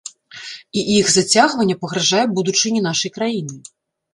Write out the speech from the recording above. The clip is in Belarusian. І іх зацягванне пагражае будучыні нашай краіны.